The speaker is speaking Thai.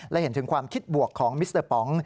และเห็นถึงความคิดบวกของมิสเตอร์ป๋อง